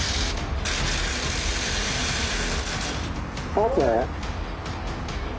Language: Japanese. ＯＫ？